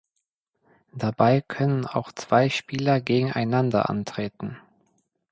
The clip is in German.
Dabei können auch zwei Spieler gegeneinander antreten.